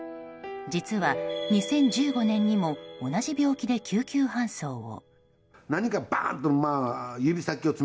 実は、２０１５年にも同じ病気で救急搬送を。